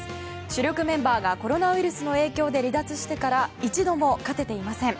主力メンバーがコロナウイルスの影響で離脱してから一度も勝てていません。